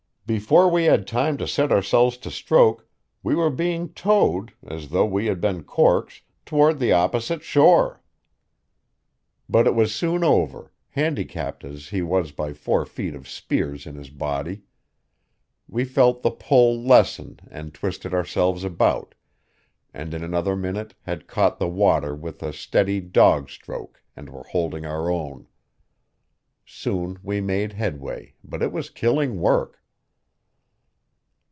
Before we had time to set ourselves to stroke we were being towed as though we had been corks toward the opposite shore. But it was soon over, handicapped as he was by four feet of spears in his body. We felt the pull lessen and twisted ourselves about, and in another minute had caught the water with a steady dog stroke and were holding our own. Soon we made headway, but it was killing work.